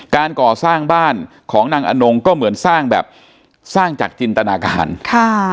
การก่อสร้างบ้านของนางอนงก็เหมือนสร้างแบบสร้างจากจินตนาการค่ะ